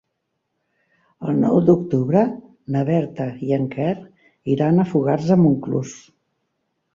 El nou d'octubre na Berta i en Quer iran a Fogars de Montclús.